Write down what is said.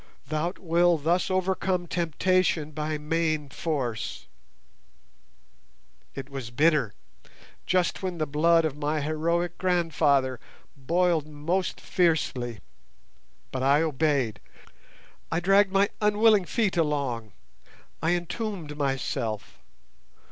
Thou wilt thus overcome temptation by main force!' It was bitter, just when the blood of my heroic grandfather boiled most fiercely; but I obeyed! I dragged my unwilling feet along; I entombed myself!